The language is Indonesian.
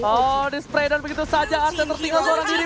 oh di spread dan begitu saja arx tertinggal seorang diri